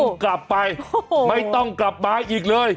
ก็กลับไปไม่ต้องกลับมาอีกเลย